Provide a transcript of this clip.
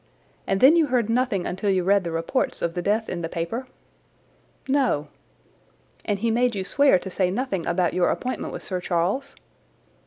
And then you heard nothing until you read the reports of the death in the paper?" "No." "And he made you swear to say nothing about your appointment with Sir Charles?"